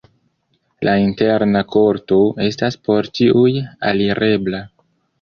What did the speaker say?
La interna korto estas por ĉiuj alirebla.